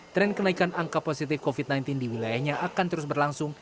tren kenaikan angka positif covid sembilan belas di wilayahnya akan terus berlangsung